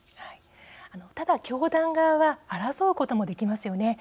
ただ、教団側は争うこともできますよね。